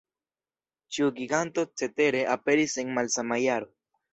Ĉiu giganto cetere aperis en malsama jaro.